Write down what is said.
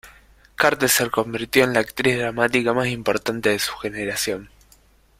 Carter se convirtió en la actriz dramática más importante de su generación.